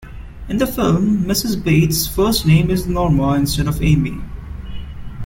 In the film, Mrs. Bates' first name is Norma instead of Amy.